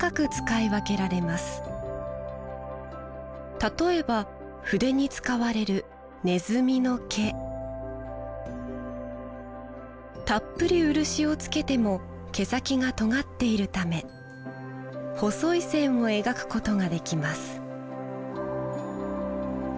例えば筆に使われるたっぷり漆をつけても毛先がとがっているため細い線を描くことができます